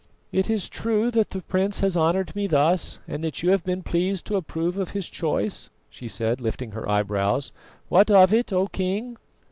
"It is true that the prince has honoured me thus, and that you have been pleased to approve of his choice," she said, lifting her eyebrows. "What of it, O King?"